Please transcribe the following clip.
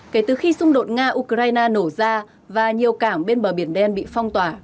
kể từ khi xung đột nga ukraine nổ ra và nhiều cảng bên bờ biển đen bị phong tỏa